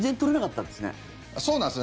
そうなんです。